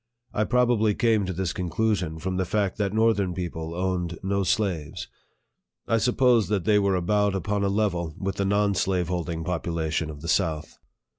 I probably came to this conclusion from the fact that northern people owned no slaves. I supposed that they were about upon a level with the non slave holding population of the south.